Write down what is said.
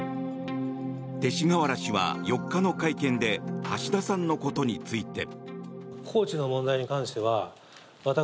勅使河原氏は４日の会見で橋田さんのことについて。